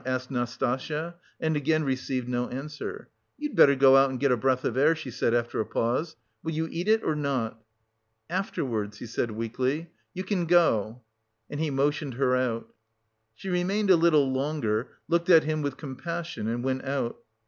asked Nastasya and again received no answer. "You'd better go out and get a breath of air," she said after a pause. "Will you eat it or not?" "Afterwards," he said weakly. "You can go." And he motioned her out. She remained a little longer, looked at him with compassion and went out.